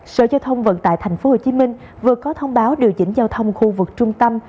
sở giao thông vận tải tp hcm vừa có thông báo điều chỉnh giao thông khu vực trung tâm